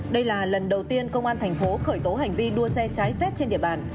đây là lần đầu tiên công an thành phố khởi tố hành vi đua xe trái phép trên địa bàn